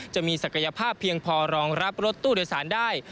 จะมีศักยภาพเพียงพอรองรับรถตู้โดยสารได้